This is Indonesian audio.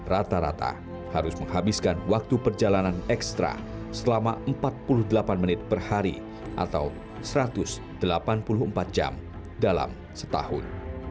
rata rata harus menghabiskan waktu perjalanan ekstra selama empat puluh delapan menit per hari atau satu ratus delapan puluh empat jam dalam setahun